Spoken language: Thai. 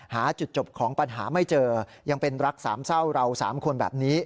หาจุดจบของปัญหาไม่เจอยังเป็นรักสามเศร้าเราสามคนแบบนี้